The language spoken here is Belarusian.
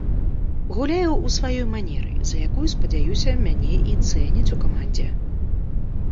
Гуляю ў сваёй манеры, за якую, спадзяюся, мяне і цэняць у камандзе.